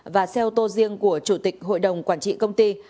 và xe ô tô riêng của chủ tịch hội đồng quản trị công ty